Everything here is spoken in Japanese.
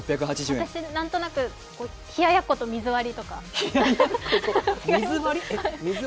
私、何となく冷や奴と水割りとか？